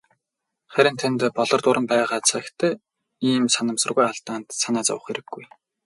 Харин танд "Болор дуран" байгаа цагт ийм санамсаргүй алдаанд санаа зовох хэрэггүй.